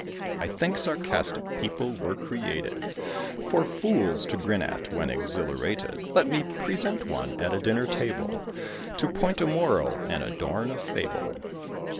I think sarcastic people were created For fools to grin at, when exhilarated. Let me present one at a dinner table, To point a moral and adorn a fable.